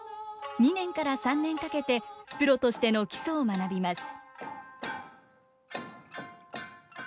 ２年から３年かけてプロとしての基礎を学びます。